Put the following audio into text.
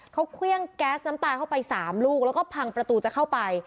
เขาเครื่องแก๊สน้ำตาเข้าไป๓ลูกแล้วก็พังประตูจะเข้าไป